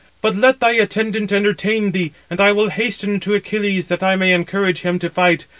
But let thy attendant entertain thee, and I will hasten to Achilles, that I may encourage him to fight.